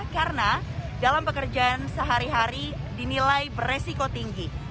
karena dalam pekerjaan sehari hari dinilai beresiko tinggi